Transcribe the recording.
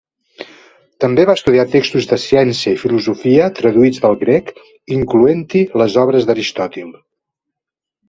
També va estudiar textos de ciència i filosofia traduïts del grec, incloent-hi les obres d'Aristòtil.